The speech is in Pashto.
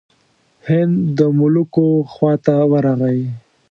هند د ملوکو خواته ورغی.